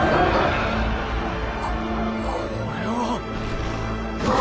こっこれは。